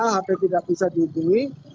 hp tidak bisa dihubungi